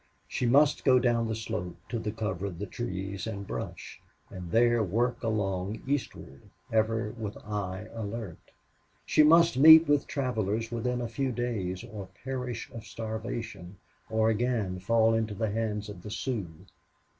She must go down the slope to the cover of the trees and brush, and there work along eastward, ever with eye alert. She must meet with travelers within a few days, or perish of starvation, or again fall into the hands of the Sioux.